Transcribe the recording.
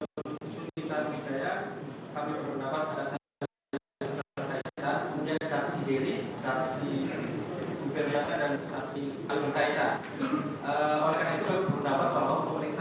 bersama dengan harun wijaya kami berpendapat pada saksi al muzafzai dan saksi beri saksi berliana dan saksi al muzafzai